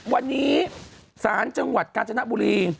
วันนี้ศาลจังหวัดกาญจนบุรี